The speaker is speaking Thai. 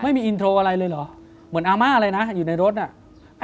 อินโทรอะไรเลยเหรอเหมือนอาม่าเลยนะอยู่ในรถน่ะ